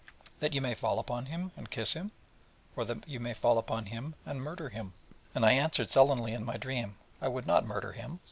that you may fall upon him, and kiss him? or that you may fall upon him, and murder him?' And I answered sullenly in my dream: 'I would not murder him.